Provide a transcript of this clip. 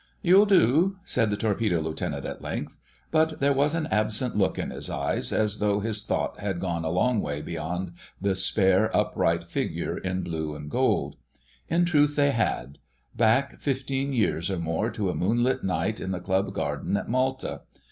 "You'll do," said the Torpedo Lieutenant at length, but there was an absent look in his eyes, as though his thoughts had gone a long way beyond the spare, upright figure in blue and gold. In truth they had: back fifteen years or more to a moonlit night in the club garden at Malta.